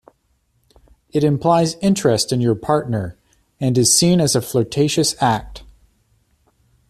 It implies interest in your partner, and is seen as a flirtatious act.